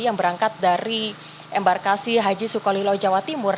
yang berangkat dari embarkasi haji sukolilo jawa timur